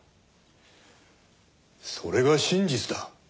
それが真実だ。